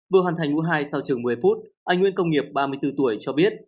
vừa hoàn thành u hai sau chừng một mươi phút anh nguyễn công nghiệp ba mươi bốn tuổi cho biết